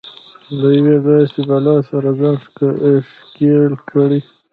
له يوې داسې بلا سره ځان ښکېل کړي.